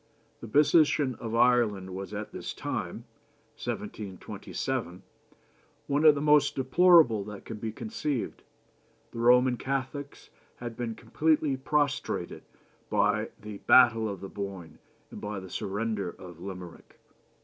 "The position of Ireland was at this time one of the most deplorable that can be conceived.... The Roman Catholics had been completely prostrated by the battle of the Boyne and by the surrender of Limerick.